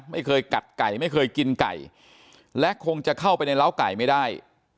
ไม่เคยกัดไก่ไม่เคยกินไก่และคงจะเข้าไปในร้าวไก่ไม่ได้